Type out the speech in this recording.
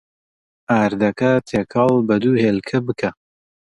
ئاردەکە تێکەڵ بە دوو هێلکە بکە.